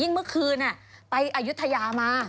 ยิ่งเมื่อคืนน่ะไปอยุธยามา